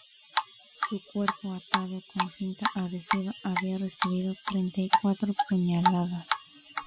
Su cuerpo atado con cinta adhesiva había recibido treinta y cuatro puñaladas.